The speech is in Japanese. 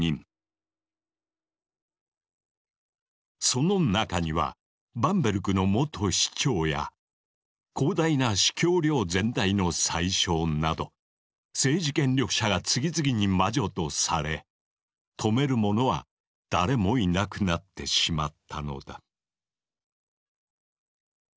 その中にはバンベルクの元市長や広大な司教領全体の宰相など政治権力者が次々に魔女とされ止める者は誰もいなくなってしまったのだ。